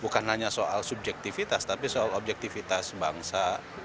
bukan hanya soal subjektivitas tapi soal objektivitas bangsa